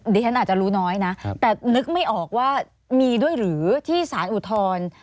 ดิฉันอาจจะรู้น้อยนะแต่นึกไม่ออกว่ามีด้วยหรือที่สารอุทธรณ์